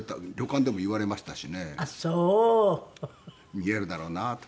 見えるだろうなと。